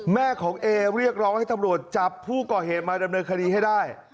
แม่ของเอเรียกร้องให้ตำรวจจับผู้ก่อเหตุมาดำเนินคดีให้ได้